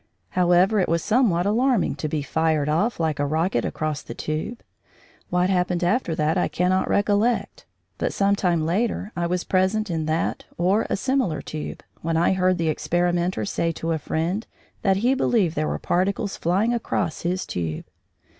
However, it was somewhat alarming to be fired off like a rocket across the tube. What happened after that I cannot recollect, but some time later I was present in that or a similar tube when I heard the experimenter say to a friend that he believed there were particles flying across his tube.